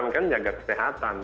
mereka menjaga kesehatan